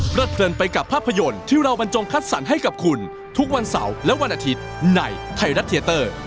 เพลินไปกับภาพยนตร์ที่เราบรรจงคัดสรรให้กับคุณทุกวันเสาร์และวันอาทิตย์ในไทยรัฐเทียเตอร์